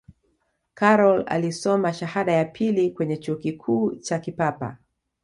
karol alisoma shahada ya pili kwenye chuo kikuu cha kipapa